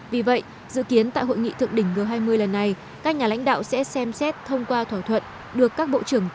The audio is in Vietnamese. vì vậy dự kiến tại hội nghị thượng đỉnh g hai mươi lần này các nhà lãnh đạo sẽ xem xét thông qua thỏa thuận